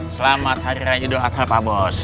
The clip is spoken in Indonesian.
selamat hari raya idul adha pak bos